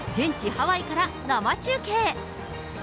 ハワイから生中継。